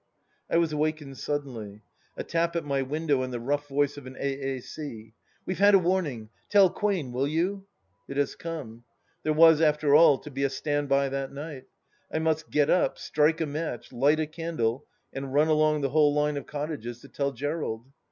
... I was awakened suddenly, A tap at my window and tht rough voice of an A.A.C. :" We've had a warning. Tell Quain, will you ?" It has come. There was, after all, to be a Stand by that night. I must get up, strike a match, light a candle, and run along the whole line of cottages to tell Gerald.